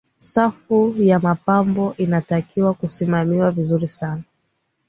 safu ya mapambo inatakiwa kusimamiwa vizuri sana